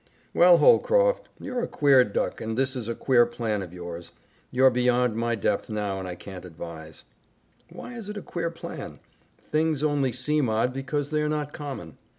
"Well, Holcroft, you're a queer dick and this is a queer plan of yours. You're beyond my depth now and I can't advise." "Why is it a queer plan? Things only seem odd because they are not common.